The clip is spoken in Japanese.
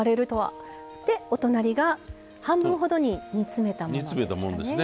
お隣が半分ほどに煮詰めたものです。